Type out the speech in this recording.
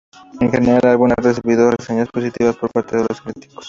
En general, el álbum ha recibido reseñas positivas por parte de los críticos.